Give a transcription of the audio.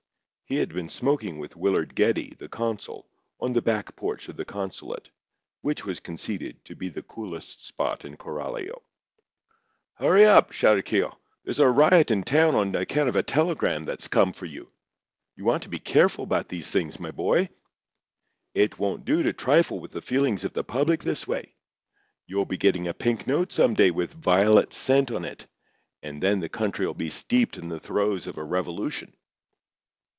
He had been smoking with Willard Geddie, the consul, on the back porch of the consulate, which was conceded to be the coolest spot in Coralio. "Hurry up," shouted Keogh. "There's a riot in town on account of a telegram that's come for you. You want to be careful about these things, my boy. It won't do to trifle with the feelings of the public this way. You'll be getting a pink note some day with violet scent on it; and then the country'll be steeped in the throes of a revolution."